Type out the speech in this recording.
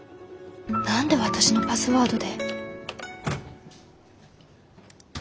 何で私のパスワードで。